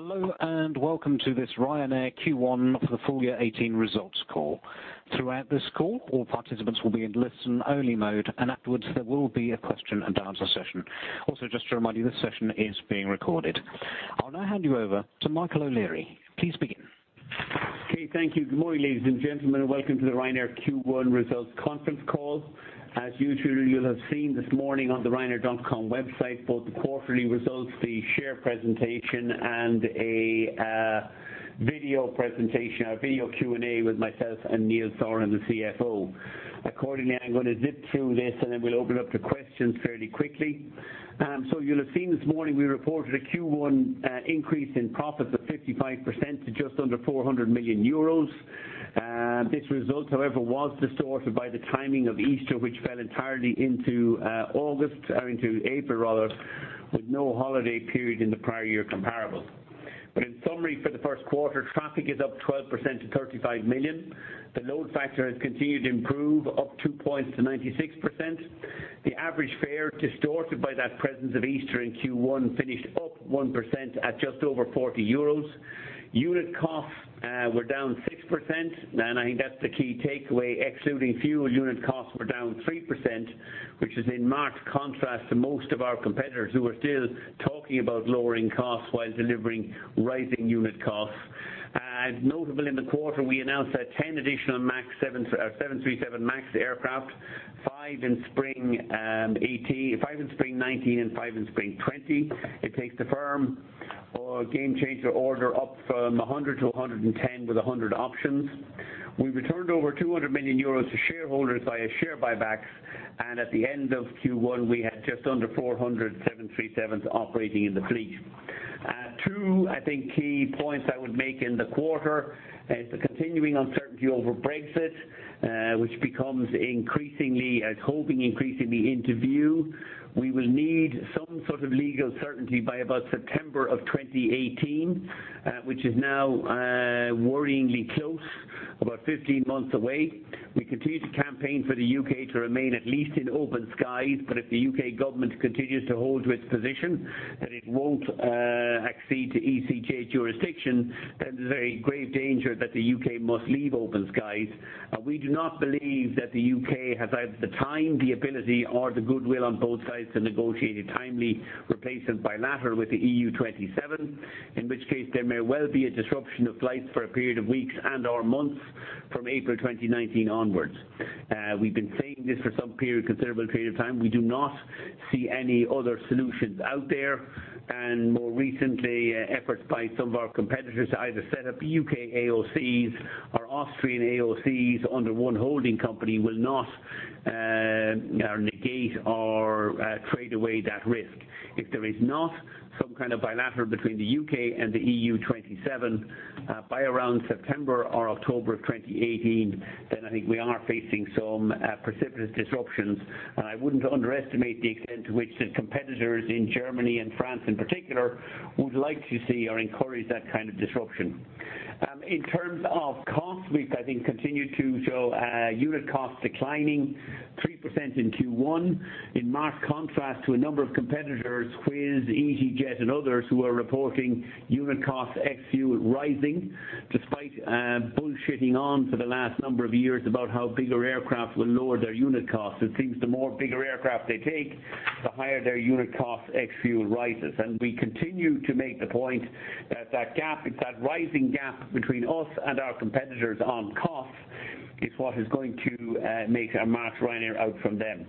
Hello, welcome to this Ryanair Q1 for the full-year 2018 results call. Throughout this call, all participants will be in listen-only mode, and afterwards there will be a question-and-answer session. Just to remind you, this session is being recorded. I'll now hand you over to Michael O'Leary. Okay. Thank you. Good morning, ladies and gentlemen, welcome to the Ryanair Q1 results conference call. As usual, you'll have seen this morning on the Ryanair.com website, both the quarterly results, the share presentation, and a video Q&A with myself and Neil Sorahan, the CFO. Accordingly, I'm going to zip through this, then we'll open up to questions fairly quickly. You'll have seen this morning we reported a Q1 increase in profits of 55% to just under 400 million euros. This result, however, was distorted by the timing of Easter, which fell entirely into August, or into April rather, with no holiday period in the prior-year comparable. In summary, for the first quarter, traffic is up 12% to 35 million. The load factor has continued to improve, up 2 points to 96%. The average fare distorted by that presence of Easter in Q1 finished up 1% at just over 40 euros. Unit costs were down 6%, and I think that's the key takeaway. Excluding fuel, unit costs were down 3%, which is in marked contrast to most of our competitors who are still talking about lowering costs while delivering rising unit costs. Notable in the quarter, we announced that 10 additional 737 MAX aircraft, five in spring 2019 and five in spring 2020. It takes the firm Gamechanger order up from 100 to 110, with 100 options. We returned over 200 million euros to shareholders via share buybacks, and at the end of Q1, we had just under 400 737s operating in the fleet. Two, I think, key points I would make in the quarter is the continuing uncertainty over Brexit, which becomes increasingly hoping increasingly into view. We will need some sort of legal certainty by about September 2018, which is now worryingly close, about 15 months away. We continue to campaign for the U.K. to remain at least in Open Skies, but if the U.K. government continues to hold its position that it won't accede to ECJ jurisdiction, then there's a grave danger that the U.K. must leave Open Skies. We do not believe that the U.K. has either the time, the ability, or the goodwill on both sides to negotiate a timely replacement bilateral with the EU27, in which case there may well be a disruption of flights for a period of weeks and/or months from April 2019 onwards. We've been saying this for some period, considerable period of time. We do not see any other solutions out there. More recently, efforts by some of our competitors to either set up U.K. AOCs or Austrian AOCs under one holding company will not negate or trade away that risk. If there is not some kind of bilateral between the U.K. and the EU27 by around September or October 2018, then I think we are facing some precipitous disruptions. I wouldn't underestimate the extent to which the competitors in Germany and France in particular would like to see or encourage that kind of disruption. In terms of costs, we've, I think, continued to show unit costs declining 3% in Q1. In marked contrast to a number of competitors, Wizz, easyJet, and others who are reporting unit costs ex-fuel rising despite bullshitting on for the last number of years about how bigger aircraft will lower their unit costs. It seems the more bigger aircraft they take, the higher their unit cost ex-fuel rises. We continue to make the point that that gap, it's that rising gap between us and our competitors on cost is what is going to make and mark Ryanair out from them.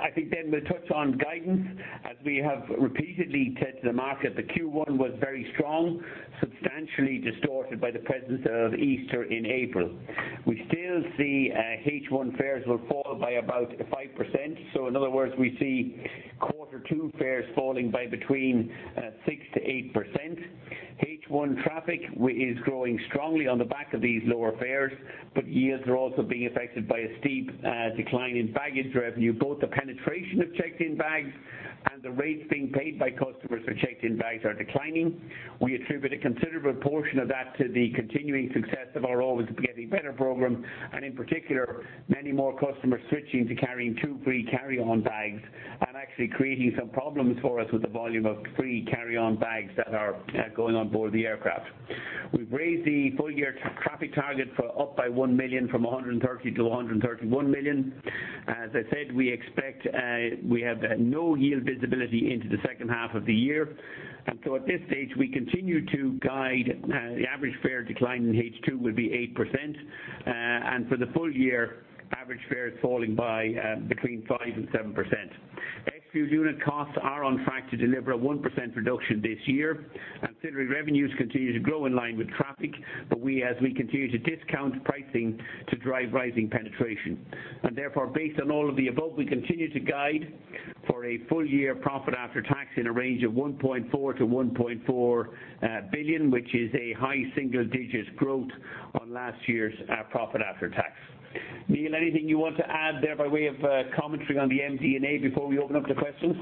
I think we'll touch on guidance. As we have repeatedly said to the market that Q1 was very strong, substantially distorted by the presence of Easter in April. We still see H1 fares will fall by about 5%. In other words, we see quarter two fares falling by between 6%-8%. H1 traffic is growing strongly on the back of these lower fares, but yields are also being affected by a steep decline in baggage revenue, both the penetration of checked-in bags and the rates being paid by customers for checked-in bags are declining. We attribute a considerable portion of that to the continuing success of our Always Getting Better program. In particular, many more customers switching to carrying two free carry-on bags and actually creating some problems for us with the volume of free carry-on bags that are going on board the aircraft. We've raised the full-year traffic target for up by 1 million from 130 to 131 million. As I said, we expect we have no yield visibility into the second half of the year. At this stage, we continue to guide the average fare decline in H2 will be 8%. For the full year, average fares falling by between 5% and 7%. Ex-fuel unit costs are on track to deliver a 1% reduction this year. Ancillary revenues continue to grow in line with traffic, but as we continue to discount pricing to drive rising penetration. Therefore, based on all of the above, we continue to guide for a full-year profit after tax in a range of 1.4 billion-1.45 billion, which is a high single-digits growth on last year's profit after tax. Neil, anything you want to add there by way of commentary on the MD&A before we open up to questions?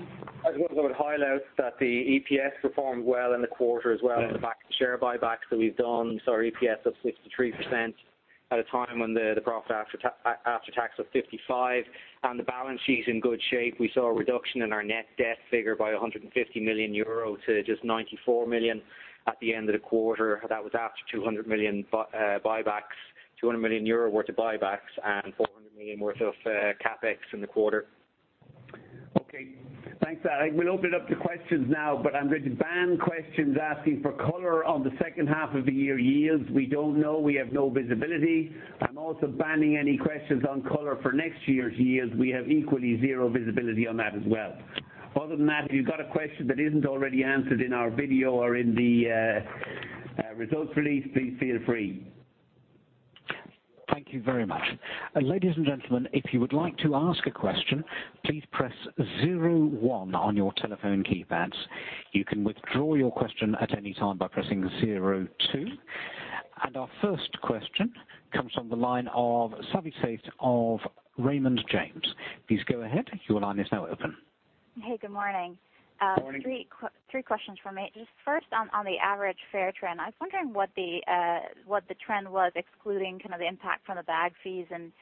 I just want to highlight that the EPS performed well in the quarter as well in the back of the share buybacks that we've done. Our EPS of 63% by the time when the profit after tax of 55% and the balance sheet's in good shape. We saw a reduction in our net debt figure by 150 million euro to just 94 million at the end of the quarter. That was after 200 million buybacks, 200 million euro worth of buybacks and 400 million worth of CapEx in the quarter. Okay. Thanks. I will open it up to questions now. I'm going to ban questions asking for color on the second half of the year yields. We don't know. We have no visibility. I'm also banning any questions on color for next year's yields. We have equally zero visibility on that as well. Other than that, if you've got a question that isn't already answered in our video or in the results release, please feel free. Thank you very much. Ladies and gentlemen, if you would like to ask a question, please press zero one on your telephone keypads. You can withdraw your question at any time by pressing zero two. Our first question comes from the line of Savi Syth of Raymond James. Please go ahead. Your line is now open. Your line is now open. Hey, good morning. Morning. Three questions for me. Just first on the average fare trend. I was wondering what the trend was excluding kind of the impact from the bag fees and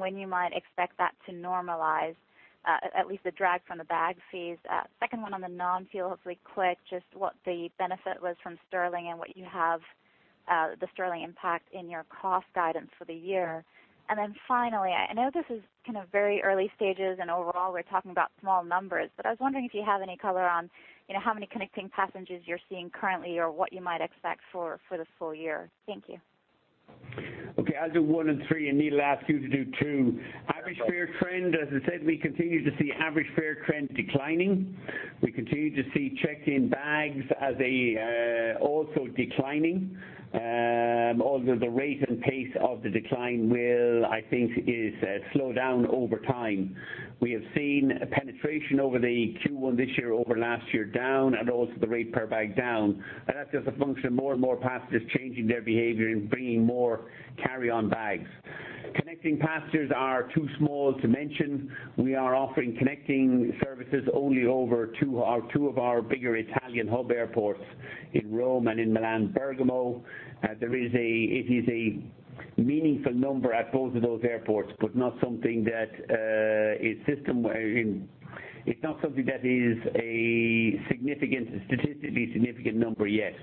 when you might expect that to normalize, at least the drag from the bag fees. Second one on the non-fuel, hopefully quick, just what the benefit was from sterling and what you have the sterling impact in your cost guidance for the year. Finally, I know this is kind of very early stages and overall, we're talking about small numbers, but I was wondering if you have any color on, you know, how many connecting passengers you're seeing currently or what you might expect for the full year. Thank you. Okay. I'll do one and three. Neil, I'll ask you to do two. Average fare trend, as I said, we continue to see average fare trend declining. We continue to see checked-in bags as also declining. Although the rate and pace of the decline will, I think, slow down over time. We have seen penetration over the Q1 this year over last year down and also the rate per bag down. That's just a function of more and more passengers changing their behavior and bringing more carry-on bags. Connecting passengers are too small to mention. We are offering connecting services only over two of our bigger Italian hub airports in Rome and in Milan Bergamo. There is a meaningful number at both of those airports, but not something that is a significant, statistically significant number yet.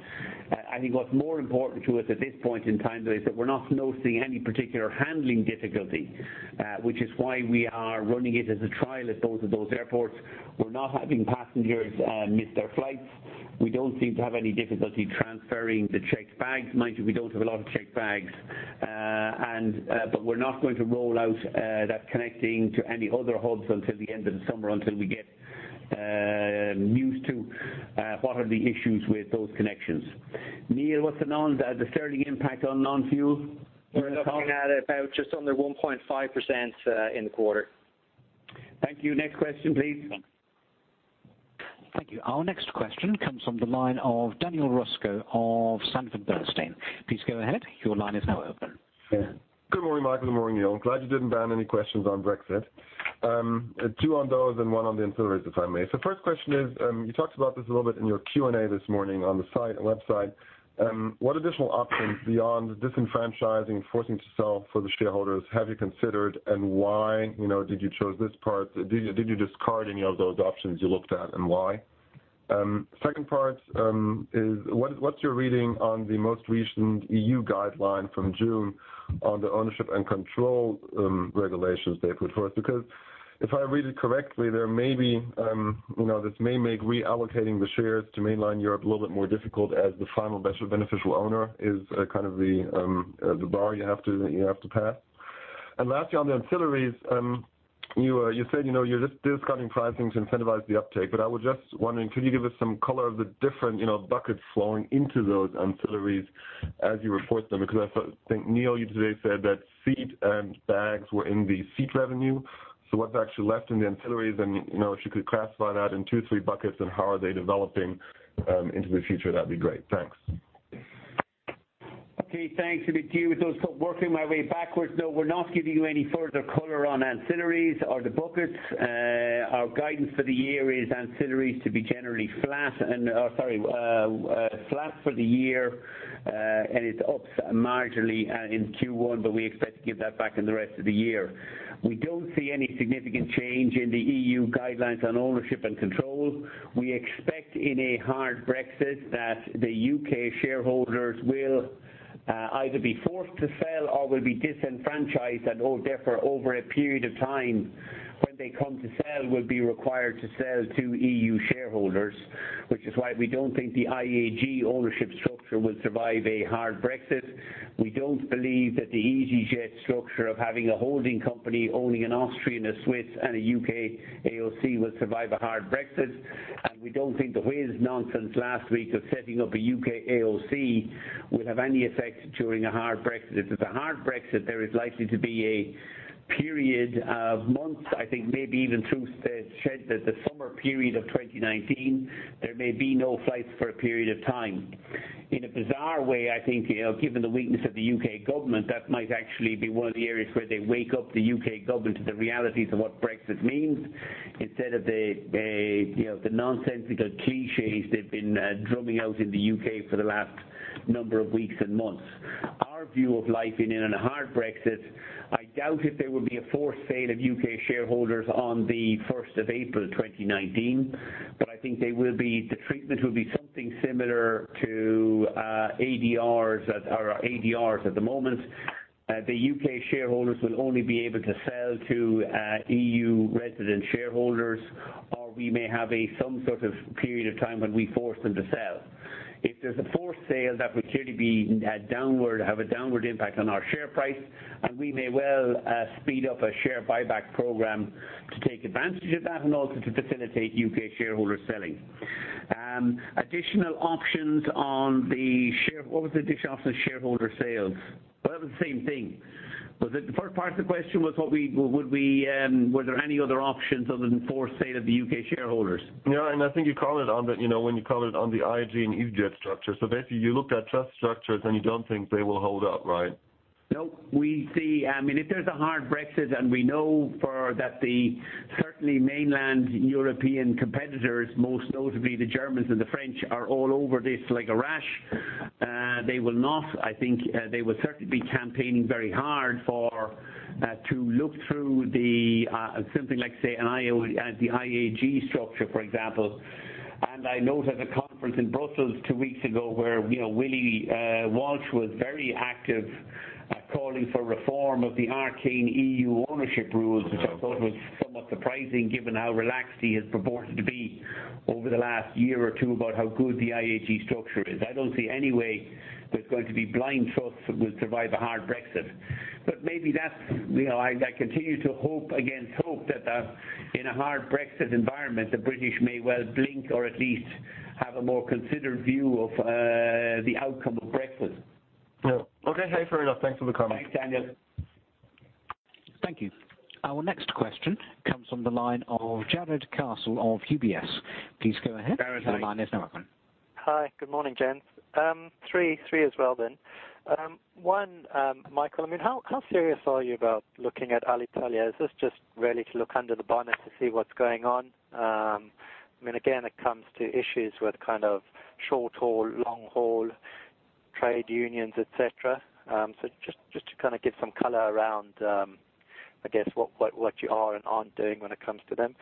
I think what's more important to us at this point in time though is that we're not noticing any particular handling difficulty, which is why we are running it as a trial at both of those airports. We're not having passengers miss their flights. We don't seem to have any difficulty transferring the checked bags. Mind you, we don't have a lot of checked bags. We're not going to roll out that connecting to any other hubs until the end of the summer, until we get used to what are the issues with those connections. Neil, what's the sterling impact on non-fuel? We're looking at about just under 1.5% in the quarter. Thank you. Next question, please. Thank you. Our next question comes from the line of Daniel Röska of Sanford Bernstein. Please go ahead. Your line is now open. Good morning, Michael. Good morning, Neil. Glad you didn't ban any questions on Brexit. Two on those and one on the ancillaries, if I may. First question is, you talked about this a little bit in your Q&A this morning on the site, website. What additional options beyond disenfranchising, forcing to sell for the shareholders have you considered and why, you know, did you choose this part? Did you discard any of those options you looked at and why? Second part is what's your reading on the most recent EU guideline from June on the ownership and control regulations they put forth? If I read it correctly, there may be, you know, this may make reallocating the shares to mainline Europe a little bit more difficult as the final beneficial owner is kind of the bar you have to, you have to pass. Lastly, on the ancillaries, you said, you know, you're discounting pricings to incentivize the uptake, but I was just wondering, could you give us some color of the different, you know, buckets flowing into those ancillaries as you report them? I think, Neil, you today said that seat and bags were in the seat revenue. What's actually left in the ancillaries and, you know, if you could classify that in two, three buckets and how are they developing into the future, that'd be great. Thanks. Okay, thanks. Let me deal with those. Working my way backwards. No, we're not giving you any further color on ancillaries or the buckets. Our guidance for the year is ancillaries to be generally flat and, sorry, flat for the year, and it's up marginally in Q1, but we expect to give that back in the rest of the year. We don't see any significant change in the EU guidelines on ownership and control. We expect in a hard Brexit that the U.K. shareholders will either be forced to sell or will be disenfranchised and therefore over a period of time when they come to sell, will be required to sell to EU shareholders, which is why we don't think the IAG ownership structure will survive a hard Brexit. We don't believe that the easyJet structure of having a holding company owning an Austrian, a Swiss, and a U.K. AOC will survive a hard Brexit. We don't think the Wizz nonsense last week of setting up a U.K. AOC will have any effect during a hard Brexit. If it's a hard Brexit, there is likely to be a period of months, I think maybe even through, [Ed said] that the summer period of 2019, there may be no flights for a period of time. In a bizarre way, I think, you know, given the weakness of the U.K. government, that might actually be one of the areas where they wake up the U.K. government to the realities of what Brexit means instead of the, you know, the nonsensical cliches they've been drumming out in the U.K. for the last number of weeks and months. Our view of life in a hard Brexit, I doubt if there would be a forced sale of U.K. shareholders on the 1st of April 2019. I think the treatment will be something similar to ADRs at, or ADRs at the moment. The U.K. shareholders will only be able to sell to EU resident shareholders, or we may have a some sort of period of time when we force them to sell. If there's a forced sale, that would clearly have a downward impact on our share price, and we may well speed up a share buyback program to take advantage of that and also to facilitate U.K. shareholder selling. Additional options, what was the additional options for shareholder sales? Well, the same thing. The first part of the question was what would we, were there any other options other than forced sale of the U.K. shareholders? No. I think you covered it on the, you know, when you covered it on the IAG and easyJet structure. Basically, you looked at trust structures, and you don't think they will hold up, right? No. We see, I mean, if there's a hard Brexit, and we know for that the certainly mainland European competitors, most notably the Germans and the French, are all over this like a rash. They will not, I think, they will certainly be campaigning very hard for to look through the something like, say, an IAG structure, for example. I note at a conference in Brussels two weeks ago where, you know, Willie Walsh was very active at calling for reform of the arcane EU ownership rules. Which I thought was somewhat surprising given how relaxed he has purported to be over the last year or two about how good the IAG structure is. I don't see any way there's going to be blind trusts that would survive a hard Brexit. Maybe that's, you know, I continue to hope against hope that in a hard Brexit environment, the British may well blink or at least have a more considered view of the outcome of Brexit. Yeah. Okay, fair enough. Thanks for the comment. Thanks, Daniel. Thank you. Our next question comes from the line of Jarrod Castle of UBS. Please go ahead. Jarrod, Hi. Your line is now open. Hi. Good morning, gents. Three as well then. One, Michael, I mean, how serious are you about looking at Alitalia? Is this just really to look under the bonnet to see what's going on? I mean, again, it comes to issues with kind of short-haul, long-haul trade unions, et cetera. Just to kind of give some color around, I guess what you are and aren't doing when it comes to them.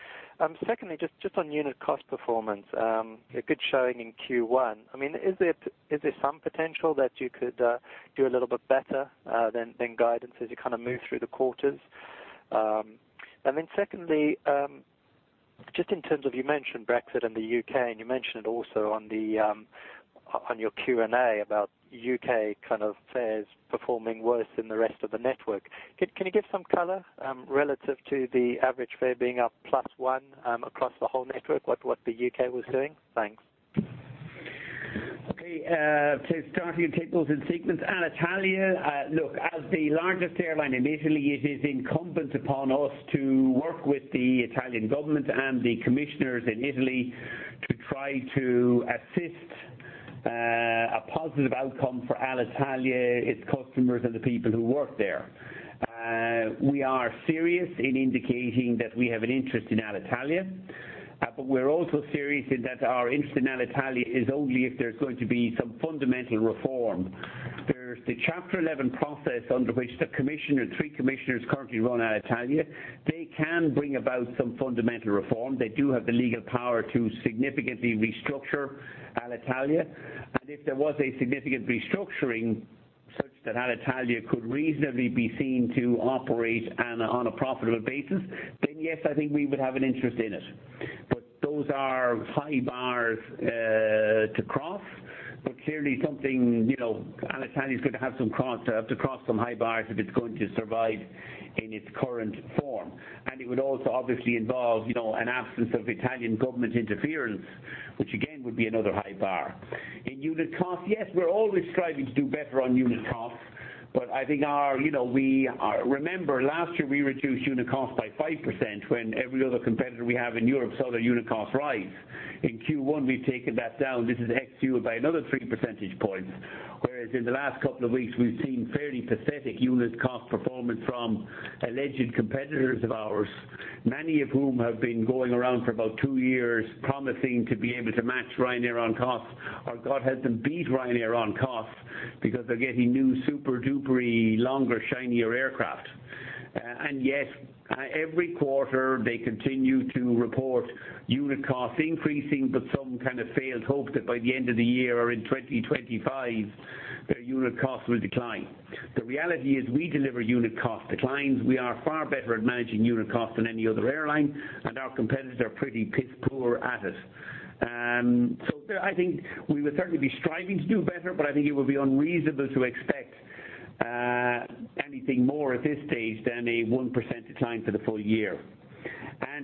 Secondly, on unit cost performance. A good showing in Q1. I mean, is there some potential that you could do a little bit better than guidance as you kind of move through the quarters? Secondly, just in terms of you mentioned Brexit and the U.K., and you mentioned it also on your Q&A about U.K. kind of fares performing worse than the rest of the network. Can you give some color relative to the average fare being up +1 across the whole network, what the U.K. was doing? Thanks. Starting to take those in sequence. Alitalia, look, as the largest airline in Italy, it is incumbent upon us to work with the Italian government and the commissioners in Italy to try to assist a positive outcome for Alitalia, its customers, and the people who work there. We are serious in indicating that we have an interest in Alitalia. We're also serious in that our interest in Alitalia is only if there's going to be some fundamental reform. There's the Chapter 11 process under which the commissioner, three commissioners currently run Alitalia. They can bring about some fundamental reform. They do have the legal power to significantly restructure Alitalia. If there was a significant restructuring such that Alitalia could reasonably be seen to operate on a profitable basis, then yes, I think we would have an interest in it. Those are high bars to cross. Clearly something, you know, Alitalia's going to have to cross some high bars if it's going to survive in its current form. It would also obviously involve, you know, an absence of Italian government interference, which again, would be another high bar. In unit costs, yes, we're always striving to do better on unit costs. I think our, you know, Remember last year we reduced unit costs by 5% when every other competitor we have in Europe saw their unit costs rise. In Q1, we've taken that down. This is ex-fuel by another 3 percentage points. Whereas in the last couple of weeks, we've seen fairly pathetic unit cost performance from alleged competitors of ours. Many of whom have been going around for about two years promising to be able to match Ryanair on costs or God help them beat Ryanair on costs because they are getting new super-dupery longer, shinier aircraft. Yet, every quarter, they continue to report unit costs increasing, but some kind of failed hope that by the end of the year or in 2025, their unit costs will decline. The reality is we deliver unit cost declines. We are far better at managing unit cost than any other airline, and our competitors are pretty piss poor at it. There, I think we would certainly be striving to do better, but I think it would be unreasonable to expect anything more at this stage than a 1% decline for the full year.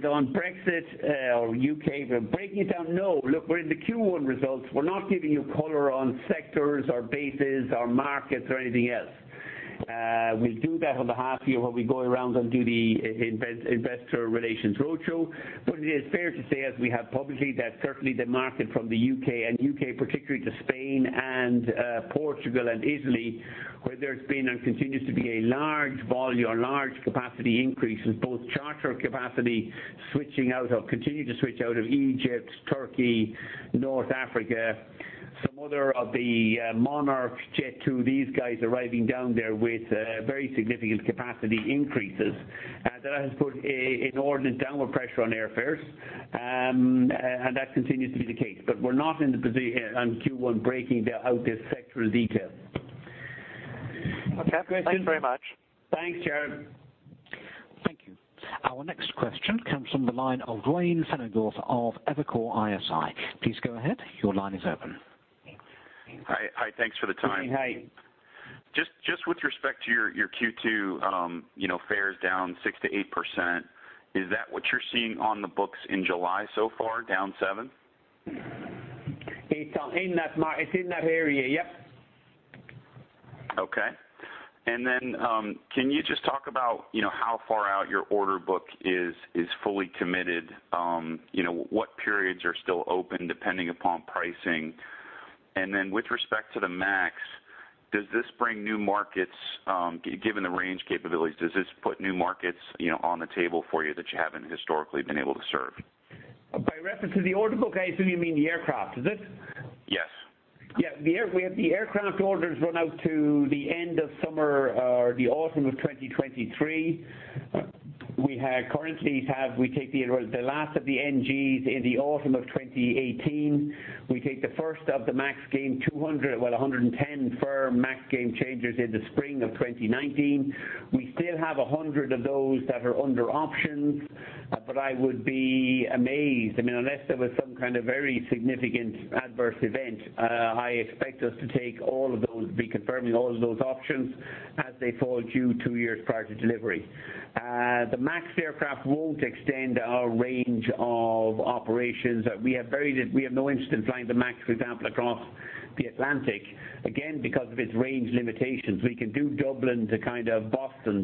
On Brexit, or U.K., we are breaking it down. Look, we're in the Q1 results. We're not giving you color on sectors or bases or markets or anything else. We'll do that on the half year when we go around and do the investor relations roadshow. It is fair to say, as we have publicly, that certainly the market from the U.K., and U.K. particularly to Spain and Portugal and Italy, where there's been and continues to be a large volume or large capacity increase in both charter capacity switching out of, continuing to switch out of Egypt, Turkey, North Africa. Some other of the Monarch, Jet2, these guys arriving down there with very significant capacity increases. That has put a inordinate downward pressure on airfares. That continues to be the case. We're not in the position on Q1 breaking out this sectoral detail. Okay. Thanks very much. Thanks, Jarrod. Thank you. Our next question comes from the line of Duane Pfennigwerth of Evercore ISI. Please go ahead. Your line is open. Hi. Hi, thanks for the time. Good morning. Hi. Just with respect to your Q2, you know, fares down 6%-8%, is that what you're seeing on the books in July so far, down 7%? It's in that area, yep. Okay. Can you just talk about, you know, how far out your order book is fully committed? You know, what periods are still open depending upon pricing? With respect to the MAX, does this bring new markets, given the range capabilities, does this put new markets, you know, on the table for you that you haven't historically been able to serve? By reference to the order book, I assume you mean the aircraft. Is it? Yes. We have the aircraft orders run out to the end of summer or the autumn of 2023. We currently have We take the last of the NGs in the autumn of 2018. We take the first of the MAX 200—well, 110 firm MAX Gamechangers in the spring of 2019. We still have 100 of those that are under options. I would be amazed, I mean, unless there was some kind of very significant adverse event, I expect us to take all of those, be confirming all of those options as they fall due two years prior to delivery. The MAX aircraft won't extend our range of operations. We have very we have no interest in flying the MAX, for example, across the Atlantic. Again, because of its range limitations. We can do Dublin to kind of Boston.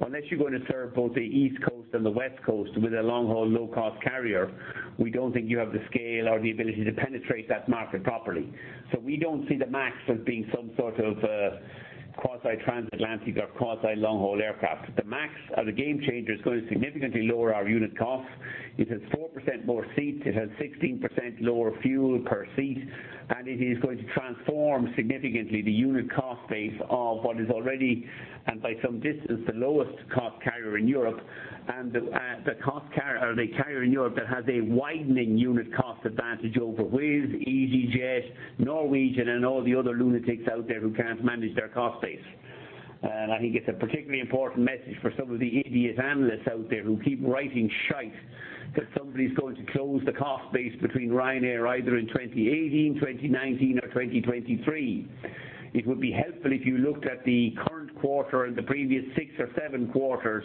Unless you're going to serve both the East Coast and the West Coast with a long-haul, low-cost carrier, we don't think you have the scale or the ability to penetrate that market properly. We don't see the MAX as being some sort of a quasi-transatlantic or quasi-long-haul aircraft. The MAX as a Gamechanger is going to significantly lower our unit costs. It has 4% more seats. It has 16% lower fuel per seat, and it is going to transform significantly the unit cost base of what is already, and by some distance, the lowest-cost carrier in Europe. The carrier in Europe that has a widening unit cost advantage over Wizz, easyJet, Norwegian, and all the other lunatics out there who can't manage their cost base. I think it's a particularly important message for some of the idiot analysts out there who keep writing shite that somebody's going to close the cost base between Ryanair either in 2018, 2019 or 2023. It would be helpful if you looked at the current quarter and the previous six or seven quarters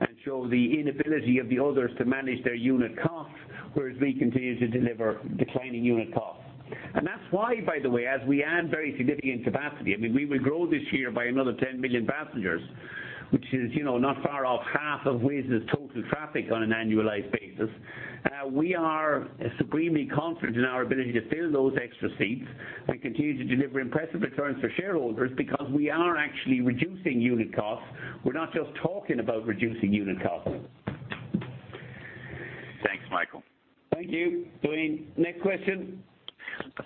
and show the inability of the others to manage their unit costs, whereas we continue to deliver declining unit costs. That's why, by the way, as we add very significant capacity, I mean, we will grow this year by another 10 million passengers, which is, you know, not far off half of Wizz's total traffic on an annualized basis. We are supremely confident in our ability to fill those extra seats and continue to deliver impressive returns for shareholders because we are actually reducing unit costs. We're not just talking about reducing unit costs. Thanks, Michael. Thank you, Duane. Next question.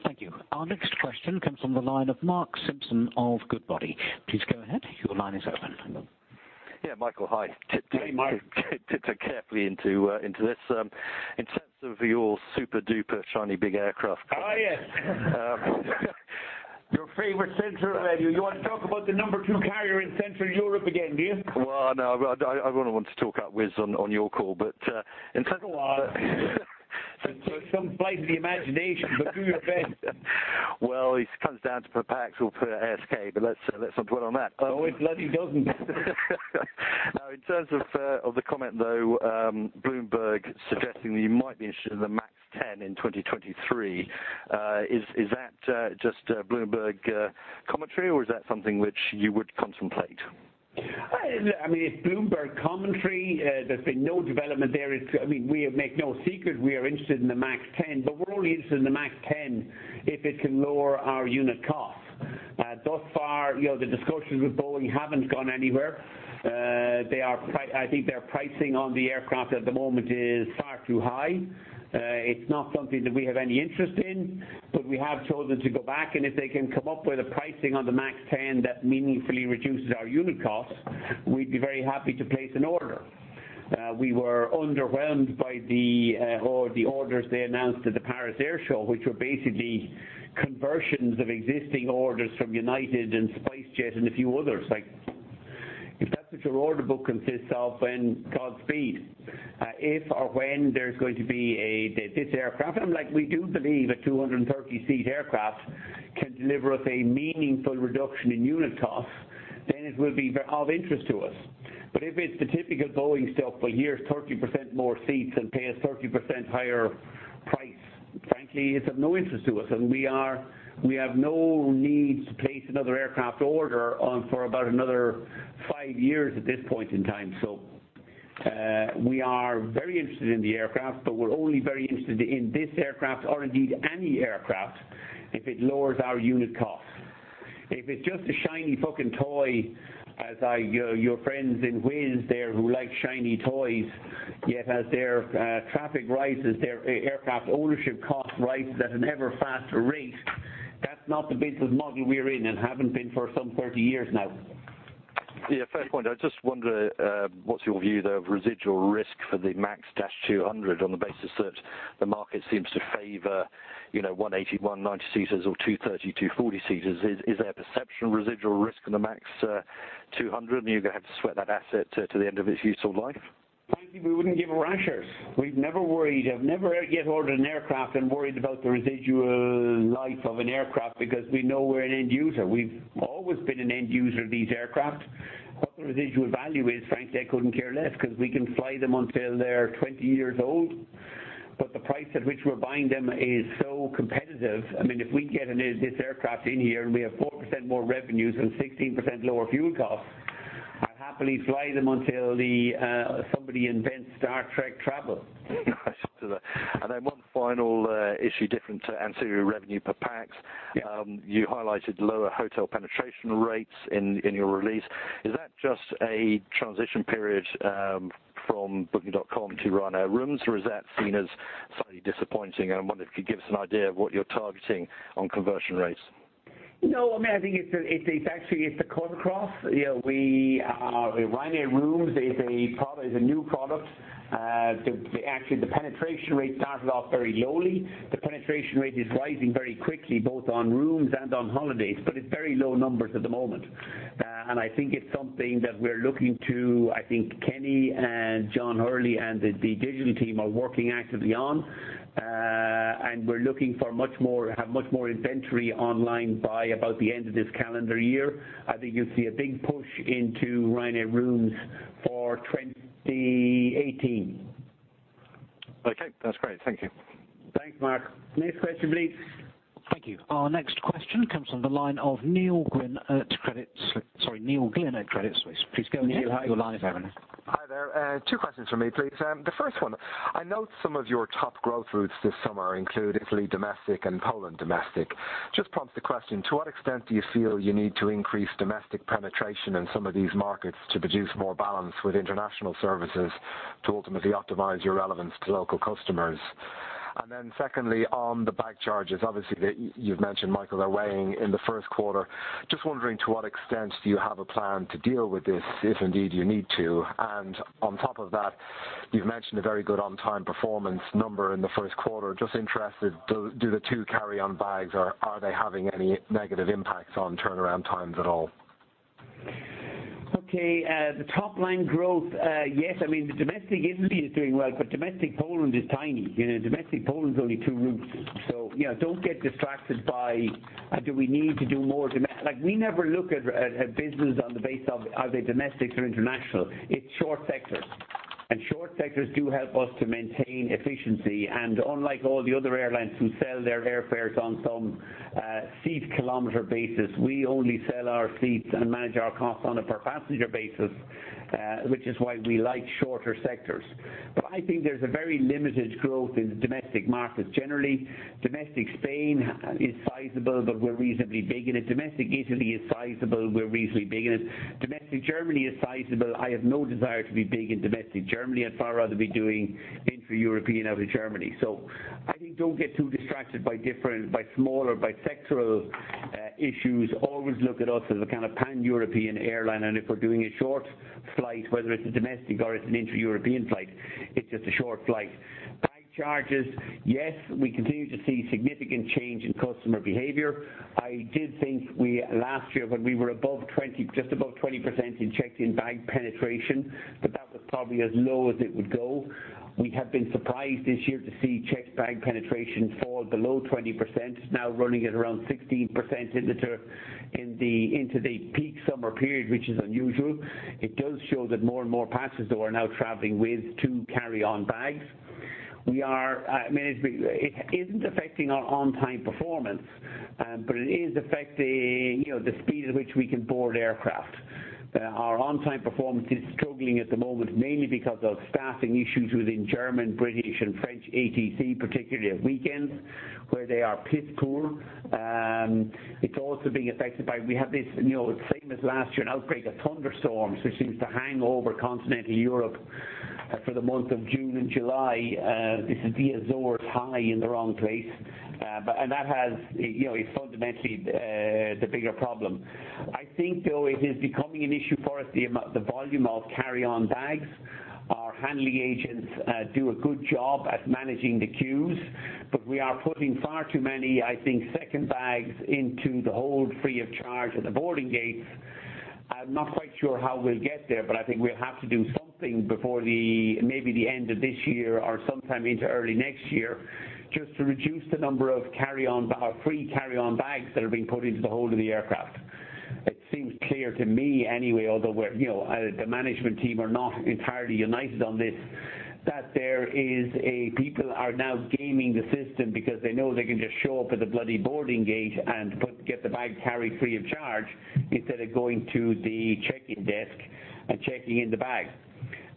Thank you. Our next question comes from the line of Mark Simpson of Goodbody. Please go ahead. Your line is open. Yeah. Michael, hi. Hey, Mark. Tiptoe carefully into this, into your super duper shiny big aircraft. Oh, yes. Your favorite Central—you want to talk about the number two carrier in Central Europe again, do you? Well, no, I wouldn't want to talk up Wizz on your call, but in terms of. Go on. It's some flight of the imagination, but do your best. Well, it comes down to perhaps we'll put SK, but let's not dwell on that. Oh, we're glad he doesn't. Now, in terms of the comment, though, Bloomberg suggesting that you might be interested in the MAX-10 in 2023, is that, just, Bloomberg, commentary, or is that something which you would contemplate? I mean, it's Bloomberg commentary. There's been no development there. I mean, we make no secret we are interested in the MAX-10, but we're only interested in the MAX-10 if it can lower our unit cost. Thus far, you know, the discussions with Boeing haven't gone anywhere. I think their pricing on the aircraft at the moment is far too high. It's not something that we have any interest in, but we have told them to go back, and if they can come up with a pricing on the MAX-10 that meaningfully reduces our unit cost, we'd be very happy to place an order. We were underwhelmed by the orders they announced at the Paris Air Show, which were basically conversions of existing orders from United and SpiceJet and a few others. Like, if that's what your order book consists of, then Godspeed. If or when there's going to be a this aircraft like we do believe a 230-seat aircraft can deliver us a meaningful reduction in unit cost, then it will be of interest to us. If it's the typical Boeing stuff, well, here's 30% more seats and pay us 30% higher price, frankly, it's of no interest to us. We have no need to place another aircraft order on for about another five years at this point in time. We are very interested in the aircraft, but we're only very interested in this aircraft or indeed any aircraft if it lowers our unit cost. If it's just a shiny fucking toy, as your friends in Wizz there who like shiny toys, yet as their traffic rises, their aircraft ownership cost rises at an ever faster rate. That's not the business model we're in and haven't been for some 30 years now. Yeah. Fair point. I just wonder what's your view there of residual risk for the MAX 200 on the basis that the market seems to favor, you know, 180-, 190-seaters or 230-, 240-seaters. Is there a perception of residual risk in the MAX 200, and you're gonna have to sweat that asset to the end of its useful life? Frankly, we wouldn't give a rat's ass. We've never worried. I've never yet ordered an aircraft and worried about the residual life of an aircraft because we know we're an end user. We've always been an end user of these aircraft. What the residual value is, frankly, I couldn't care less 'cause we can fly them until they're 20 years old. The price at which we're buying them is so competitive. I mean, if we get this aircraft in here, and we have 4% more revenues and 16% lower fuel costs, I'll happily fly them until somebody invents Star Trek travel. Then one final issue different to ancillary revenue per pax. Yeah. You highlighted lower hotel penetration rates in your release. Is that just a transition period from Booking.com to Ryanair Rooms, or is that seen as slightly disappointing? I wonder if you could give us an idea of what you're targeting on conversion rates. No, I mean, I think it's actually a crossover. You know, Ryanair Rooms is a product, is a new product. Actually, the penetration rate started off very lowly. The penetration rate is rising very quickly, both on rooms and on holidays, but it's very low numbers at the moment. I think it's something that we're looking to I think Kenny and John Hurley and the digital team are working actively on. We're looking to have much more inventory online by about the end of this calendar year. I think you'll see a big push into Ryanair Rooms for 2018. Okay. That's great. Thank you. Thanks, Mark. Next question, please. Thank you. Our next question comes from the line of Neil Glynn at Credit Suisse. Please go ahead. You have your line open. Hi there. Two questions from me, please. The first one, I note some of your top growth routes this summer include Italy domestic and Poland domestic. Just prompts the question, to what extent do you feel you need to increase domestic penetration in some of these markets to produce more balance with international services to ultimately optimize your relevance to local customers? Secondly, on the bag charges, obviously, you've mentioned, Michael, are weighing in the first quarter. Just wondering to what extent do you have a plan to deal with this, if indeed you need to? On top of that, you've mentioned a very good on-time performance number in the 1st quarter. Just interested, do the two carry-on bags, are they having any negative impacts on turnaround times at all? Okay. The top-line growth, yes. I mean, the domestic Italy is doing well. Domestic Poland is tiny. You know, domestic Poland's only two routes. You know, don't get distracted by—like, we never look at business on the base of are they domestic or international. It's short sectors. Short sectors do help us to maintain efficiency. Unlike all the other airlines who sell their airfares on some seat kilometer basis, we only sell our seats and manage our costs on a per passenger basis, which is why we like shorter sectors. I think there's a very limited growth in the domestic markets generally. Domestic Spain is sizable. We're reasonably big in it. Domestic Italy is sizable, we're reasonably big in it. Domestic Germany is sizable. I have no desire to be big in domestic Germany. I'd far rather be doing intra-European out of Germany. I think don't get too distracted by different, by smaller, by sectoral issues. Always look at us as a kind of pan-European airline. If we're doing a short flight, whether it's a domestic or it's an intra-European flight, it's just a short flight. Bag charges, yes, we continue to see significant change in customer behavior. I did think last year when we were above 20%, just above 20% in checked-in bag penetration, that that was probably as low as it would go. We have been surprised this year to see checked bag penetration fall below 20%. It's now running at around 16% into the peak summer period, which is unusual. It does show that more and more passengers are now traveling with two carry-on bags. We are, I mean, it isn't affecting our on-time performance, but it is affecting, you know, the speed at which we can board aircraft. Our on-time performance is struggling at the moment, mainly because of staffing issues within German, British, and French ATC, particularly at weekends where they are piss poor. It's also being affected by—we have this, you know, same as last year, an outbreak of thunderstorms, which seems to hang over continental Europe for the month of June and July. This is the Azores High in the wrong place. That has, you know, is fundamentally the bigger problem. I think, though, it is becoming an issue for us, the volume of carry-on bags. Our handling agents do a good job at managing the queues, but we are putting far too many, I think, second bags into the hold free of charge at the boarding gates. I'm not quite sure how we'll get there, but I think we'll have to do something before the, maybe the end of this year or sometime into early next year just to reduce the number of carry-on or free carry-on bags that are being put into the hold of the aircraft. It seems clear to me anyway, although we're, you know, the management team are not entirely united on this, that people are now gaming the system because they know they can just show up at the bloody boarding gate and get the bag carried free of charge instead of going to the check-in desk and checking in the bag.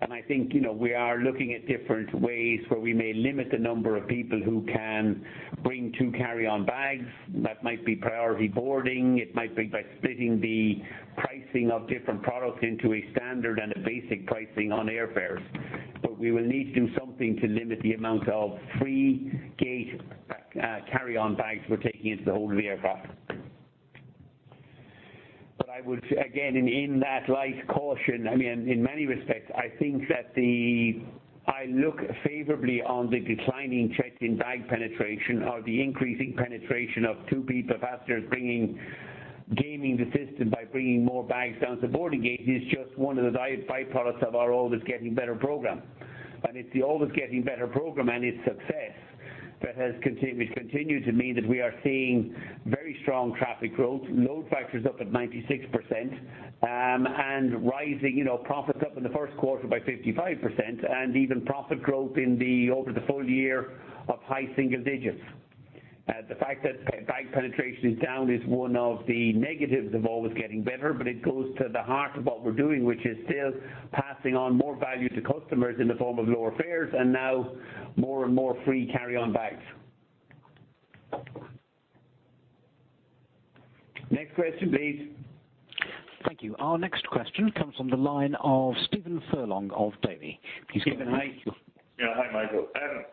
I think, you know, we are looking at different ways where we may limit the number of people who can bring two carry-on bags. That might be priority boarding. It might be by splitting the pricing of different products into a standard and a basic pricing on airfares. We will need to do something to limit the amount of free gate carry-on bags we're taking into the hold of the aircraft. I would, again, in that light caution, I mean, in many respects, I think that I look favorably on the declining checked-in bag penetration or the increasing penetration of two people, passengers bringing, gaming the system by bringing more bags down to the boarding gate is just one of the byproducts of our Always Getting Better program. It's the Always Getting Better program and its success that has continued to mean that we are seeing very strong traffic growth. Load factor's up at 96% and rising. You know, profit's up in the first quarter by 55%, and even profit growth over the full year of high single digits. The fact that bag penetration is down is one of the negatives of Always Getting Better, but it goes to the heart of what we're doing, which is still passing on more value to customers in the form of lower fares and now more and more free carry-on bags. Next question, please. Thank you. Our next question comes from the line of Stephen Furlong of Davy. Please go ahead. Stephen, hi. Yeah. Hi, Michael.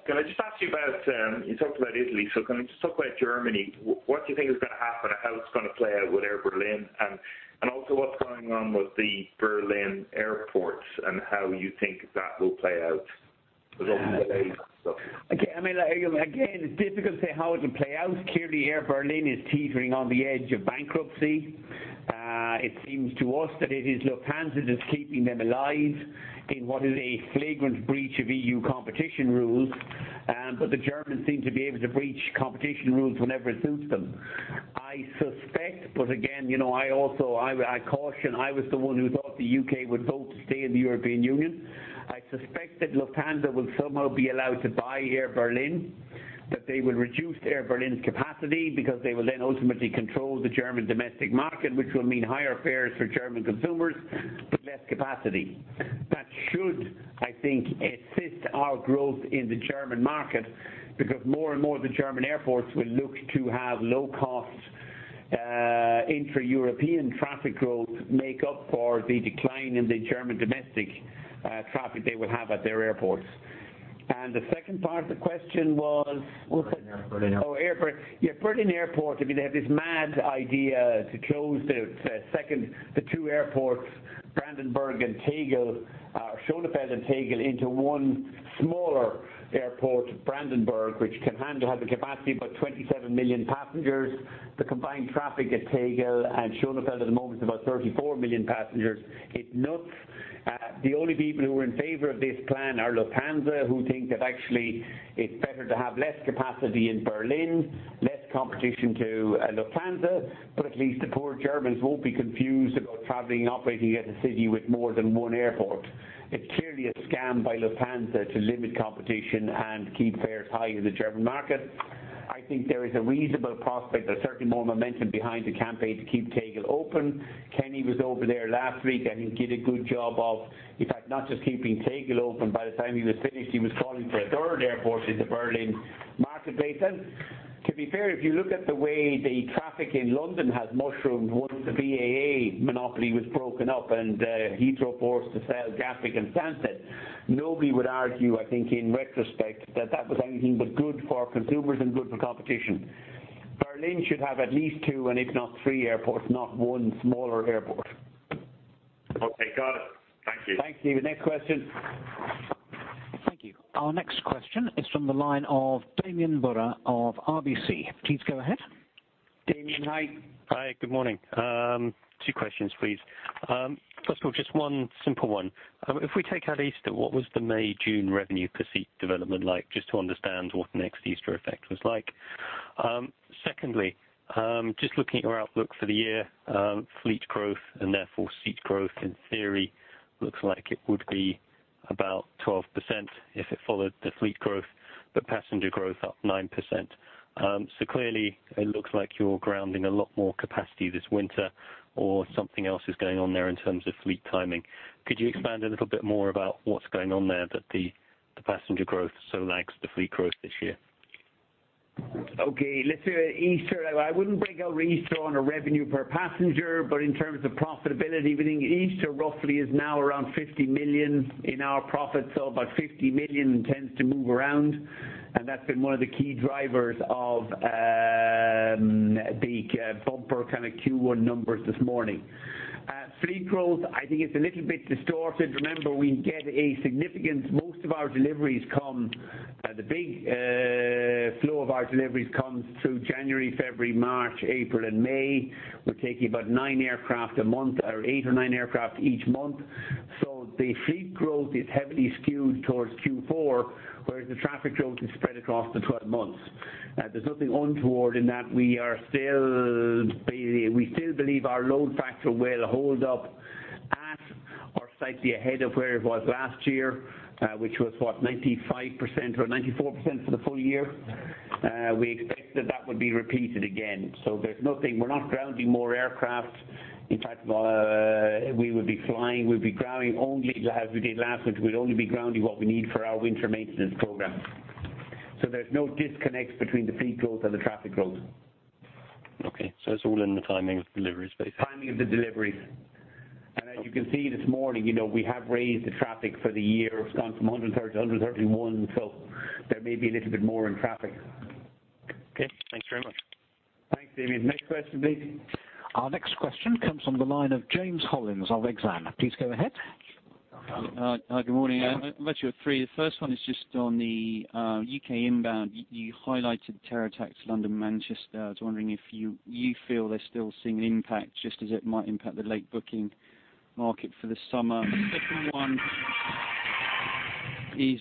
Can I just ask you about, you talked about Italy, can we just talk about Germany? What do you think is gonna happen and how it's gonna play out with Air Berlin, and also what's going on with the Berlin airports and how you think that will play out with all the delays and stuff? I mean, again, it's difficult to say how it will play out. Clearly, Air Berlin is teetering on the edge of bankruptcy. It seems to us that it is Lufthansa that's keeping them alive in what is a flagrant breach of EU competition rules. The Germans seem to be able to breach competition rules whenever it suits them. I suspect, again, you know, I also, I caution I was the one who thought the U.K. would vote to stay in the European Union. I suspect that Lufthansa will somehow be allowed to buy Air Berlin, that they will reduce Air Berlin's capacity because they will then ultimately control the German domestic market, which will mean higher fares for German consumers, but less capacity. That should, I think, assist our growth in the German market because more and more the German airports will look to have low-cost, intra-European traffic growth make up for the decline in the German domestic traffic they will have at their airports. The second part of the question was? What was it? Berlin Airport. Berlin Airport, I mean, they have this mad idea to close the second, the two airports, Brandenburg and Tegel, Schönefeld and Tegel, into one smaller airport, Brandenburg, which can handle, has a capacity of about 27 million passengers. The combined traffic at Tegel and Schönefeld at the moment is about 34 million passengers. It's nuts. The only people who are in favor of this plan are Lufthansa, who think that actually it's better to have less capacity in Berlin, less competition to Lufthansa, but at least the poor Germans won't be confused about traveling and operating at a city with more than one airport. It's clearly a scam by Lufthansa to limit competition and keep fares high in the German market. I think there is a reasonable prospect. There's certainly more momentum behind the campaign to keep Tegel open. Kenny was over there last week, and he did a good job of, in fact, not just keeping Tegel open. By the time he was finished, he was calling for a third airport in the Berlin marketplace. To be fair, if you look at the way the traffic in London has mushroomed once the BAA monopoly was broken up and Heathrow forced to sell Gatwick and Stansted, nobody would argue, I think in retrospect, that that was anything but good for consumers and good for competition. Berlin should have at least two, and if not three airports, not one smaller airport. Okay. Got it. Thank you. Thank you. Next question. Thank you. Our next question is from the line of Damian Brewer of RBC. Please go ahead. Damian, hi. Hi. Good morning. Two questions, please. First of all, just one simple one. If we take out Easter, what was the May-June revenue per seat development like, just to understand what the next Easter effect was like? Secondly, just looking at your outlook for the year, fleet growth and therefore seat growth in theory looks like it would be about 12% if it followed the fleet growth, but passenger growth up 9%. Clearly it looks like you're grounding a lot more capacity this winter or something else is going on there in terms of fleet timing. Could you expand a little bit more about what's going on there that the passenger growth so lags the fleet growth this year? Okay. Let's say Easter, I wouldn't break out Easter on a revenue per passenger. In terms of profitability, we think Easter roughly is now around 50 million in our profits, so about 50 million tends to move around. That's been one of the key drivers of the bumper kind of Q1 numbers this morning. Fleet growth, I think it's a little bit distorted. Remember, we get Most of our deliveries come, the big flow of our deliveries comes through January, February, March, April, and May. We're taking about nine aircraft a month or eight or nine aircraft each month. The fleet growth is heavily skewed towards Q4, whereas the traffic growth is spread across the 12 months. There's nothing untoward in that. We still believe our load factor will hold up at or slightly ahead of where it was last year, which was, what, 95% or 94% for the full year. We expect that that would be repeated again. There's nothing. We're not grounding more aircraft. In fact, we would be flying. We'd be grounding only to have we did last month. We'd only be grounding what we need for our winter maintenance program. There's no disconnect between the fleet growth and the traffic growth. It's all in the timing of deliveries basically. Timing of the deliveries. As you can see this morning, you know, we have raised the traffic for the year. It's gone from 130 to 131. There may be a little bit more in traffic. Okay. Thanks very much. Thanks, Damian. Next question, please. Our next question comes from the line of James Hollins of Exane. Please go ahead. Hi. Good morning. I've got you have three. The first one is just on the U.K. inbound. You highlighted terror attacks, London, Manchester. I was wondering if you feel they're still seeing an impact just as it might impact the late booking market for the summer? The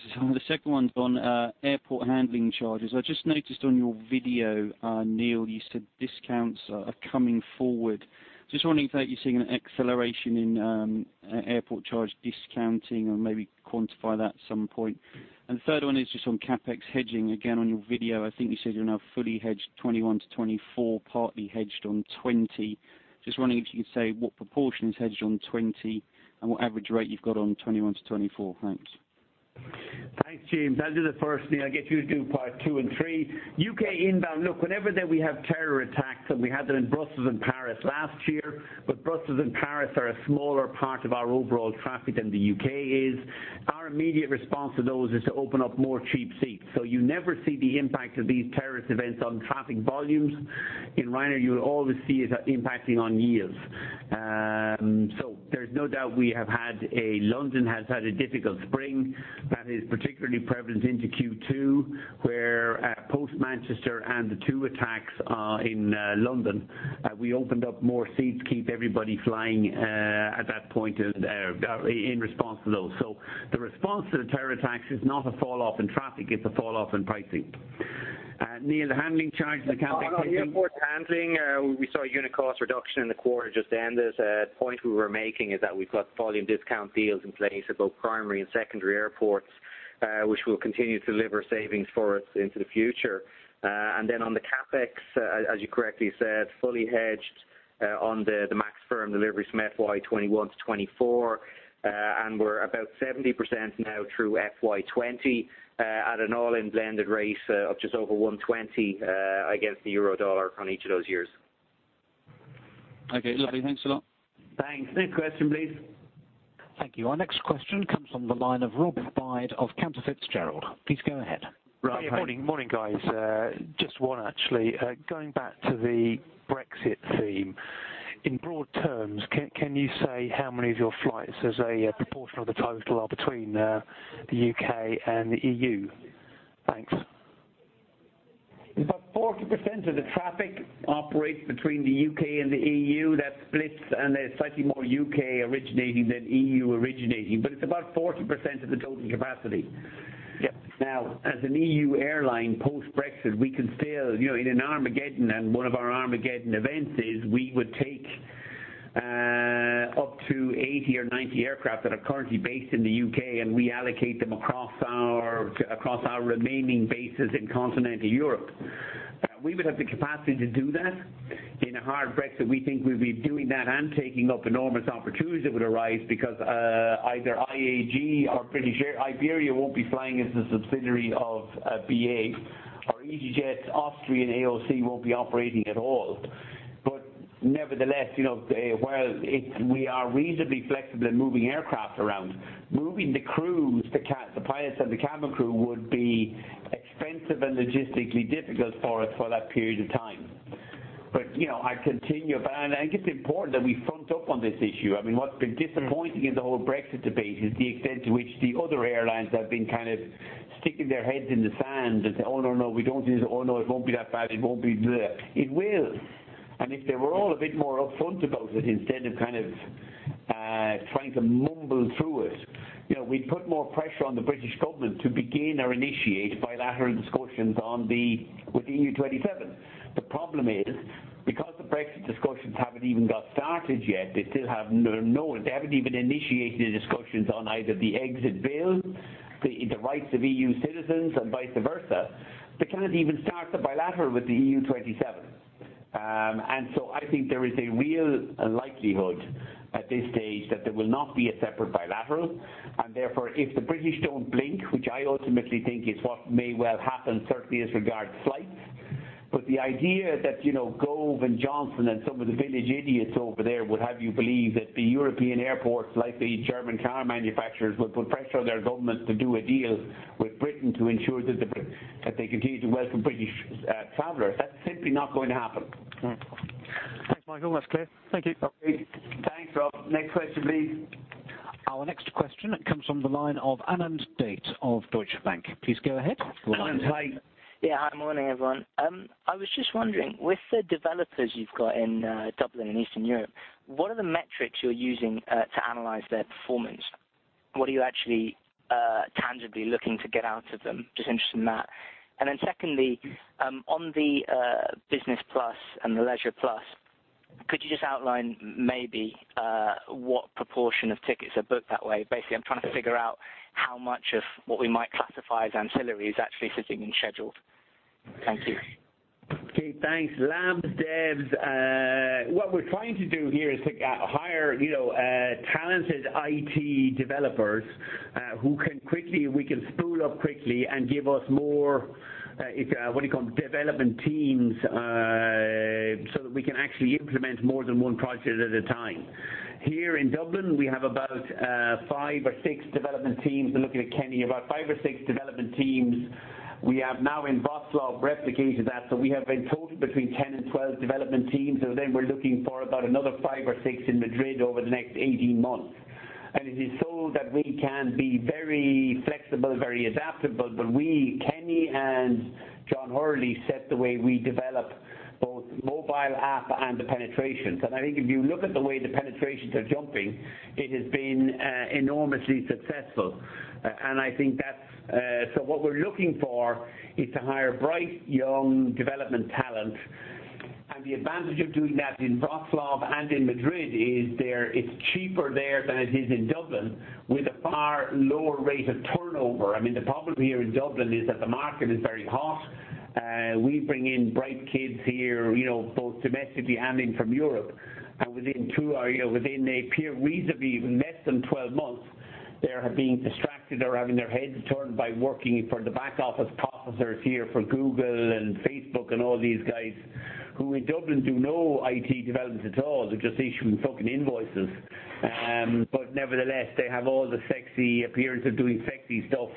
second one's on airport handling charges. I just noticed on your video, Neil, you said discounts are coming forward. Just wondering if that you're seeing an acceleration in airport charge discounting, or maybe quantify that at some point. Third one is just on CapEx hedging. Again, on your video, I think you said you're now fully hedged 2021-2024, partly hedged on 2020. Just wondering if you could say what proportion is hedged on 2020, and what average rate you've got on 2021-2024. Thanks. Thanks, James. I'll do the first, Neil. I'll get you to do part two and three. U.K. inbound. Look, whenever that we have terror attacks, and we had them in Brussels and Paris last year, but Brussels and Paris are a smaller part of our overall traffic than the U.K. is. Our immediate response to those is to open up more cheap seats. You never see the impact of these terrorist events on traffic volumes. In Ryanair, you always see it impacting on yields. There's no doubt we have had a London has had a difficult spring. That is particularly prevalent into Q2, where, post Manchester and the two attacks, in London, we opened up more seats to keep everybody flying at that point in response to those. The response to the terror attacks is not a fall-off in traffic, it's a fall-off in pricing. Neil, the handling charges and CapEx hedging. On airport handling, we saw a unit cost reduction in the quarter just ended. A point we were making is that we've got volume discount deals in place at both primary and secondary airports, which will continue to deliver savings for us into the future. And then on the CapEx, as you correctly said, fully hedged on the MAX firm deliveries from FY 2021-2024. And we're about 70% now through FY 2020, at an all-in blended rate of just over 120 against the euro-dollar on each of those years. Okay, lovely. Thanks a lot. Thanks. Next question, please. Thank you. Our next question comes from the line of Rob Byde of Cantor Fitzgerald. Please go ahead. Rob, hi. Morning. Morning, guys. Just one actually. Going back to the Brexit theme. In broad terms, can you say how many of your flights as a proportion of the total are between the U.K. and the EU? Thanks. About 40% of the traffic operates between the U.K. and the EU. That splits, there's slightly more U.K. originating than EU originating. It's about 40% of the total capacity. Yeah. Now, as an EU airline, post-Brexit, we can still, you know, in an Armageddon, and one of our Armageddon events is we would take up to 80 or 90 aircraft that are currently based in the U.K., and reallocate them across our remaining bases in continental Europe. We would have the capacity to do that. In a hard Brexit, we think we'd be doing that and taking up enormous opportunities that would arise because either IAG or British Airways or Iberia won't be flying as a subsidiary of BA, or easyJet's Austrian AOC won't be operating at all. Nevertheless, you know, while we are reasonably flexible in moving aircraft around, moving the crews, the pilots and the cabin crew would be expensive and logistically difficult for us for that period of time. You know, I continue. I think it's important that we front up on this issue. I mean, what's been disappointing in the whole Brexit debate is the extent to which the other airlines have been kind of sticking their heads in the sand and say, "Oh, no, we don't need to. Oh, no, it won't be that bad. It won't be blah." It will. If they were all a bit more upfront about it instead of kind of trying to mumble through it, you know, we'd put more pressure on the British government to begin or initiate bilateral discussions on the, with the EU27. The problem is, because the Brexit discussions haven't even got started yet, they still have none. They haven't even initiated discussions on either the exit bill, the rights of EU citizens and vice versa. They can't even start the bilateral with the EU27. I think there is a real likelihood at this stage that there will not be a separate bilateral, and therefore if the British don't blink, which I ultimately think is what may well happen, certainly as regard to flights. The idea that, you know, Gove and Johnson and some of the village idiots over there would have you believe that the European airports, like the German car manufacturers, would put pressure on their government to do a deal with Britain to ensure that they continue to welcome British travelers, that's simply not going to happen. Right. Thanks, Michael. That's clear. Thank you. Okay. Thanks, Rob. Next question, please. Our next question comes from the line of Anand Date of Deutsche Bank. Please go ahead. Anand, hi. Yeah. Hi. Morning, everyone. I was just wondering, with the developers you've got in Dublin and Eastern Europe, what are the metrics you're using to analyze their performance? What are you actually tangibly looking to get out of them? Just interested in that. Secondly, on the Business Plus and the Leisure Plus, could you just outline maybe what proportion of tickets are booked that way? Basically, I'm trying to figure out how much of what we might classify as ancillary is actually sitting in scheduled. Thank you. Okay, thanks. Labs, devs, what we're trying to do here is to hire, you know, talented IT developers, who we can spool up quickly and give us more, if, what do you call them? Development teams, so that we can actually implement more than one project at a time. Here in Dublin, we have about five or six development teams. I'm looking at Kenny. About five or six development teams. We have now in Wrocław replicated that. We have in total between 10 and 12 development teams, we're looking for about another five or six in Madrid over the next 18 months. It is so that we can be very flexible, very adaptable. We, Kenny and John Hurley, set the way we develop both mobile app and the penetrations. I think if you look at the way the penetrations are jumping, it has been enormously successful. I think that's what we're looking for is to hire bright, young development talent. The advantage of doing that in Wroclaw and in Madrid is there, it's cheaper there than it is in Dublin, with a far lower rate of turnover. I mean, the problem here in Dublin is that the market is very hot. We bring in bright kids here, you know, both domestically and in from Europe, and within two, or, you know, within a period reasonably less than 12 months, they are being distracted or having their heads turned by working for the back office tossers here for Google and Facebook and all these guys who in Dublin do no IT development at all. They're just issuing fucking invoices. Nevertheless, they have all the sexy appearance of doing sexy stuff,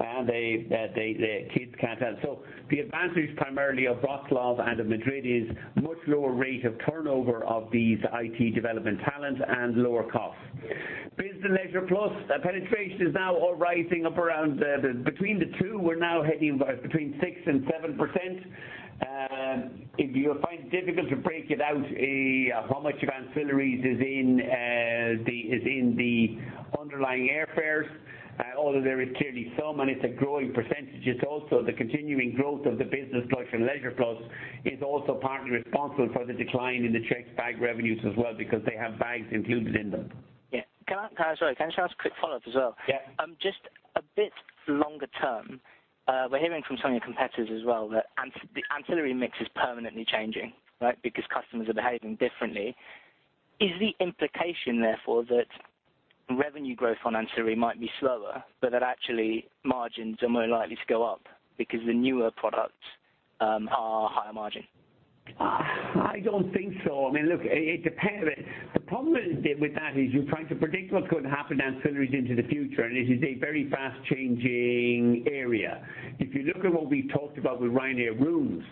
and the kids can't help. The advantage primarily of Wroclaw and of Madrid is much lower rate of turnover of these IT development talent and lower costs. Business Plus, Leisure Plus, the penetration is now all rising up around between the two, we're now heading about between 6% and 7%. If you find it difficult to break it out, how much of ancillaries is in the underlying airfares, although there is clearly some, and it's a growing percentage. It's also the continuing growth of the Business Plus and Leisure Plus is also partly responsible for the decline in the checked bag revenues as well, because they have bags included in them. Yeah. Can I, sorry, can I just ask a quick follow-up as well? Yeah. Just a bit longer term, we're hearing from some of your competitors as well that the ancillary mix is permanently changing, right? Because customers are behaving differently. Is the implication therefore that revenue growth on ancillary might be slower, but that actually margins are more likely to go up because the newer products are higher margin? I don't think so. Look, it depends. The problem with that is you're trying to predict what's going to happen to ancillaries into the future, and it is a very fast-changing area. If you look at what we talked about with Ryanair Rooms,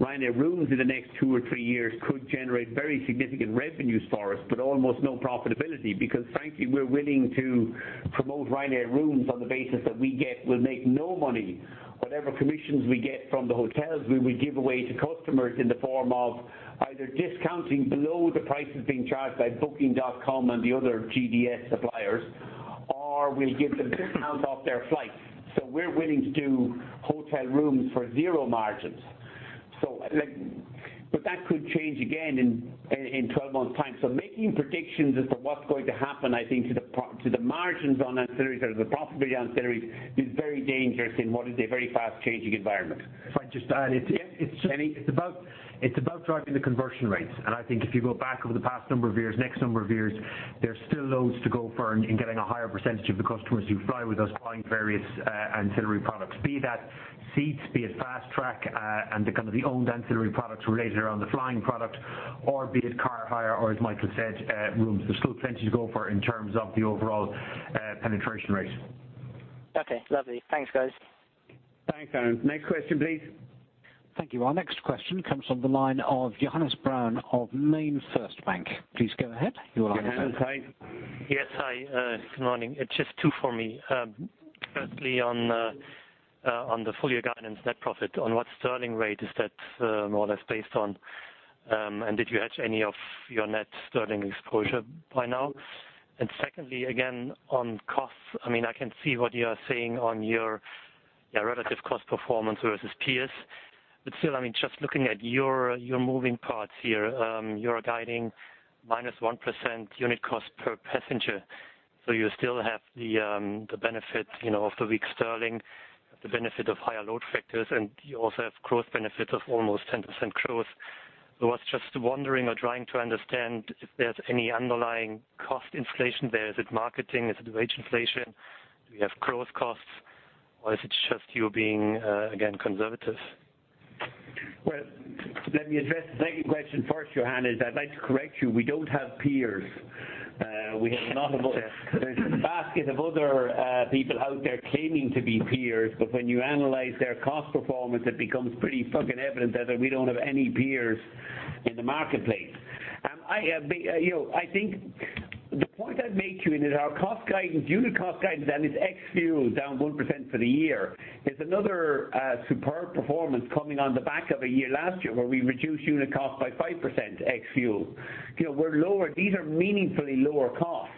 Ryanair Rooms in the next two or three years could generate very significant revenues for us, but almost no profitability, because frankly, we're willing to promote Ryanair Rooms on the basis that we'll make no money. Whatever commissions we get from the hotels, we will give away to customers in the form of either discounting below the prices being charged by Booking.com and the other GDS suppliers, or we'll give them discount off their flights. We're willing to do hotel rooms for zero margins. That could change again in 12 months' time. Making predictions as to what's going to happen, I think, to the margins on ancillaries or the profitability ancillaries is very dangerous in what is a very fast-changing environment. If I could just add, it's— Yeah, Kenny? It's about driving the conversion rates. I think if you go back over the past number of years, next number of years, there's still loads to go for in getting a higher percentage of the customers who fly with us buying various ancillary products. Be that seats, be it fast track, and the kind of the owned ancillary products related around the flying product or be it car hire or as Michael said, rooms. There's still plenty to go for in terms of the overall penetration rates. Okay, lovely. Thanks, guys. Thanks, Anand. Next question, please. Thank you. Our next question comes from the line of Johannes Braun of MainFirst Bank. Johannes, hi. Yes. Hi, good morning. It's just two for me. Firstly on the full-year guidance net profit. On what sterling rate is that more or less based on, and did you hedge any of your net sterling exposure by now? Secondly, again on costs. I mean, I can see what you are saying on your relative cost performance versus peers. Still, I mean, just looking at your moving parts here, you are guiding -1% unit cost per passenger. You still have the benefit, you know, of the weak sterling, the benefit of higher load factors, and you also have cost benefit of almost 10% growth. I was just wondering or trying to understand if there is any underlying cost inflation there. Is it marketing? Is it wage inflation? Do you have growth costs, or is it just you being, again, conservative? Well, let me address the second question first, Johannes. I'd like to correct you. We don't have peers. Okay. There's a basket of other people out there claiming to be peers, but when you analyze their cost performance, it becomes pretty fucking evident that we don't have any peers in the marketplace. I, you know, I think the point I'd make to you is our cost guidance, unit cost guidance, and it's ex-fuel down 1% for the year, is another superb performance coming on the back of a year last year where we reduced unit cost by 5% ex-fuel. You know, we're lower. These are meaningfully lower costs.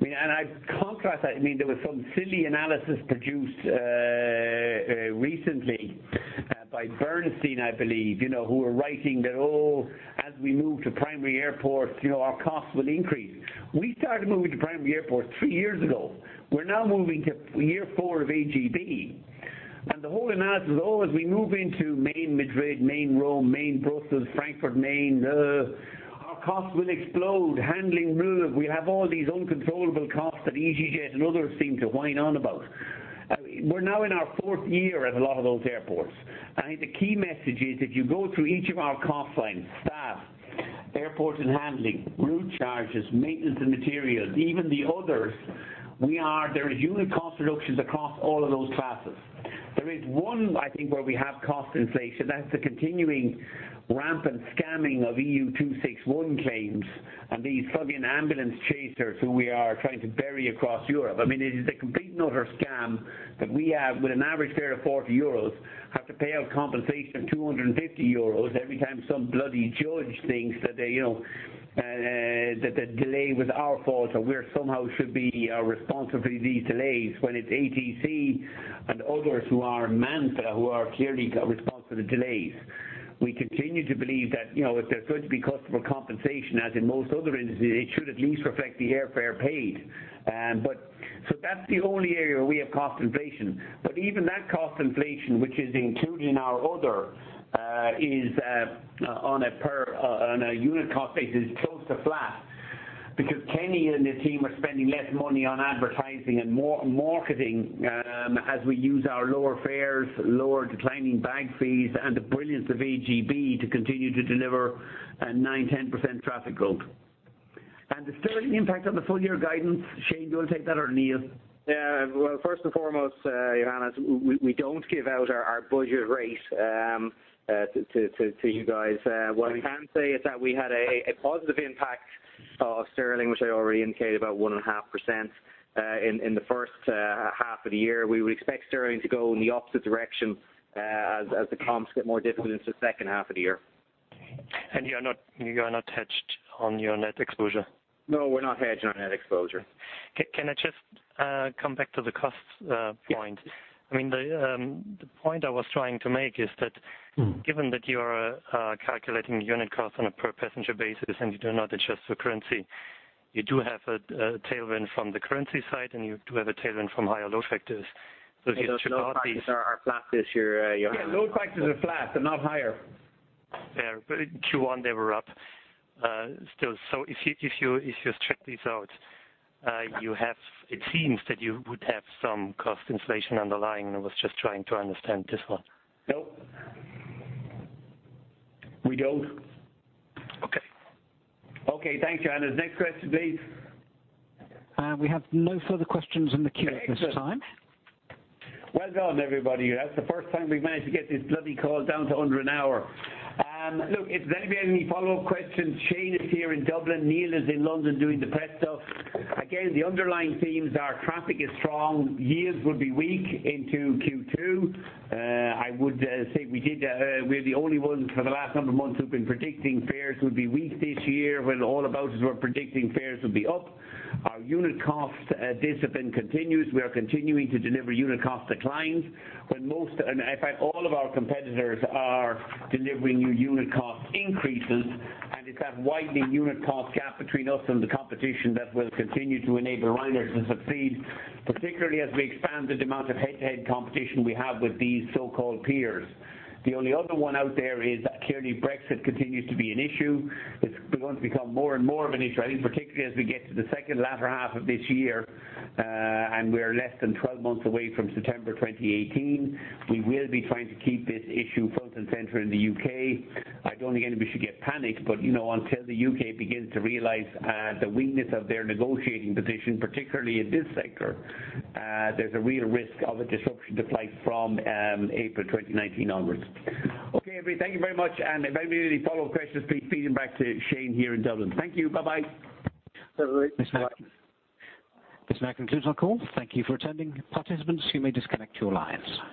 I mean, I contrast that. I mean, there was some silly analysis produced recently by Bernstein, I believe, you know, who were writing that, "Oh, as we move to primary airport, you know, our costs will increase." We started moving to primary airport three years ago. We're now moving to year four of AGB. The whole analysis, as we move into main Madrid, main Rome, main Brussels, Frankfurt main, our costs will explode. Handling move. We have all these uncontrollable costs that easyJet and others seem to whine on about. I mean, we're now in our fourth year at a lot of those airports, and the key message is if you go through each of our cost lines, staff, airports and handling, route charges, maintenance and materials, even the others, there is unit cost reductions across all of those classes. There is one, I think, where we have cost inflation. That's the continuing rampant scamming of EU 261 claims, and these bloody ambulance chasers who we are trying to bury across Europe. I mean, it is a complete and utter scam that we have with an average fare of 40 euros have to pay out compensation of 250 euros every time some bloody judge thinks that they, you know, that delay was our fault or we're somehow should be responsible for these delays when it's ATC and others who are [MANFA], who are clearly responsible for the delays. We continue to believe that, you know, if there's going to be customer compensation, as in most other industries, it should at least reflect the airfare paid. That's the only area we have cost inflation. Even that cost inflation, which is included in our other, is on a unit cost basis, close to flat. Because Kenny and the team are spending less money on advertising and more marketing, as we use our lower fares, lower declining bag fees and the brilliance of AGB to continue to deliver a 9%, 10% traffic growth. The sterling impact on the full-year guidance. Shane, do you want to take that or Neil? Well, first and foremost, Johannes, we don't give out our budget rate to you guys. What I can say is that we had a positive impact of sterling, which I already indicated, about 1.5% in the first half of the year. We would expect sterling to go in the opposite direction as the comps get more difficult into the second half of the year. You are not hedged on your net exposure? No, we're not hedged on net exposure. Can I just come back to the costs point? I mean, the point I was trying to make is that given that you are calculating unit costs on a per-passenger basis and you do not adjust for currency, you do have a tailwind from the currency side and you do have a tailwind from higher load factors if you chip out the. Yeah, those load factors are flat this year, Johannes. Yeah, load factors are flat. They're not higher. In Q1 they were up. Still, if you strip these out, it seems that you would have some cost inflation underlying. I was just trying to understand this one. Nope. We don't. Okay. Okay. Thanks, Johannes. Next question, please. We have no further questions in the queue at this time. Excellent. Well done, everybody. That's the first time we've managed to get this bloody call down to under one hour. Look, if there's any follow-up questions, Shane is here in Dublin. Neil is in London doing the press stuff. Again, the underlying themes are traffic is strong. Yields will be weak into Q2. I would say we did, we're the only ones for the last number of months who've been predicting fares would be weak this year when all the boats were predicting fares would be up. Our unit cost discipline continues. We are continuing to deliver unit cost declines when most, and in fact, all of our competitors are delivering new unit cost increases. It's that widening unit cost gap between us and the competition that will continue to enable Ryanair to succeed, particularly as we expand the amount of head-to-head competition we have with these so-called peers. The only other one out there is clearly Brexit continues to be an issue. It's going to become more and more of an issue, I think particularly as we get to the second latter half of this year, and we're less than 12 months away from September 2018. We will be trying to keep this issue front and center in the U.K. I don't think anybody should get panicked, but, you know, until the U.K. begins to realize the weakness of their negotiating position, particularly in this sector, there's a real risk of a disruption to flights from April 2019 onwards. Okay, everybody, thank you very much. If anybody has any follow-up questions, please feed them back to Shane here in Dublin. Thank you. Bye-bye. Bye-bye. This now concludes our call. Thank you for attending. Participants, you may disconnect your lines.